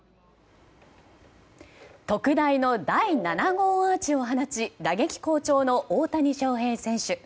特大の第７号アーチを放ち打撃好調の大谷翔平選手。